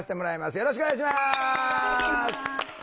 よろしくお願いします。